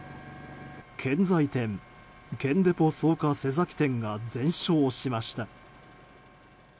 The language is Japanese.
建材店、建デポ草加瀬崎店が全焼しました。